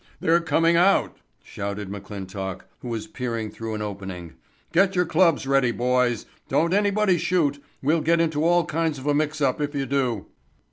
"They're coming out," shouted McClintock, who was peering through an opening, "get your clubs ready, boys. Don't anybody shoot. We'll get into all kinds of a mix up if you do."